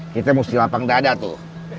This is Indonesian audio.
kita mesti lapang dada tuh